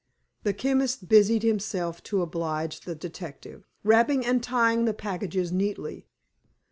The chemist busied himself to oblige the detective, wrapping and tying the packages neatly.